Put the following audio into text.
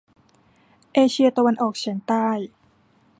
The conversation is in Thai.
เอเชียตะวันออกเฉียงใต้